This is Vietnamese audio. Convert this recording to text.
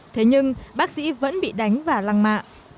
thế nhưng bác sĩ vẫn bị đánh và lăng mạ